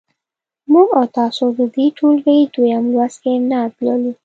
موږ او تاسو د دې ټولګي دویم لوست کې نعت لولو.